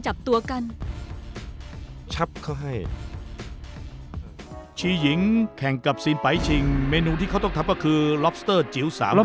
จับตัวกันชับเขาให้ชีหญิงแข่งกับซีนไปชิงเมนูที่เขาต้องทำก็คือล็อบสเตอร์จิ๋ว๓๐